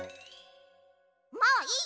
もういい！